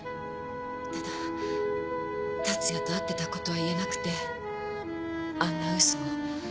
ただ達也と会っていたことは言えなくてあんな嘘を。